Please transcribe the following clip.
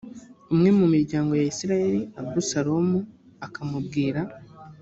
umwe mu miryango ya isirayeli abusalomu akamubwira